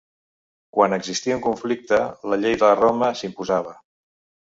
Quan existia un conflicte, la Llei de Roma s'imposava.